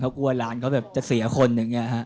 เขากลัวหลานเขาแบบจะเสียคนอย่างนี้ฮะ